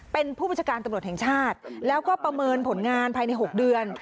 เป็นผู้บัญชาการตำรวจแห่งชาติแล้วก็ประเมินผลงานภายใน๖เดือน